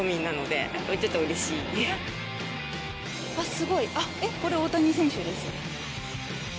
すごいこれ、大谷選手です。